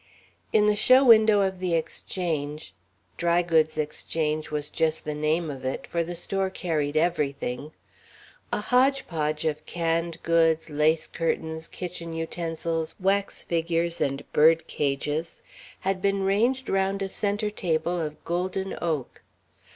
In the show window of the Exchange Dry Goods Exchange was just the name of it for the store carried everything a hodgepodge of canned goods, lace curtains, kitchen utensils, wax figures, and bird cages had been ranged round a center table of golden oak.